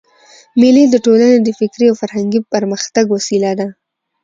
مېلې د ټولني د فکري او فرهنګي پرمختګ وسیله ده.